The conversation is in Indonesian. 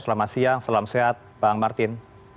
selamat siang salam sehat bang martin